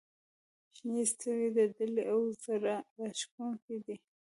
• شنې سترګې د دلې او زړه راښکونکې دي.